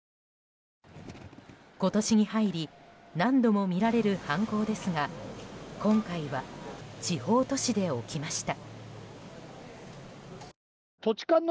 今年に入り何度も見られる犯行ですが今回は地方都市で起きました。